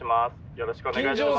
よろしくお願いします。